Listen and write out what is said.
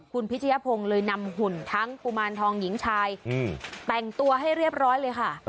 คุณพิชยพงศ์เลยนำหุ่นทั้งกุมารทองหญิงชายแต่งตัวให้เรียบร้อยเลยค่ะ